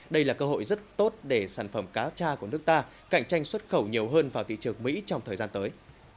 đây là cơ hội rất tốt để sản phẩm cá cha của nước ta cạnh tranh xuất khẩu nhiều hơn vào thị trường mỹ trong thời gian tới